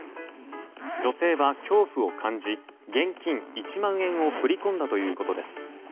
女性は恐怖を感じ、現金１万円を振り込んだということです。